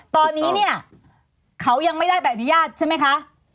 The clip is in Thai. ตอนนี้เนี่ยเขายังไม่ได้ใบอนุญาตใช่ไหมคะ